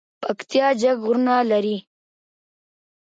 پکتیا جګ غرونه لري